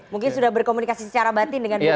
mungkin sudah berkomunikasi secara batin dengan baik